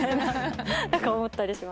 何か思ったりします。